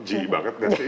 g banget gak sih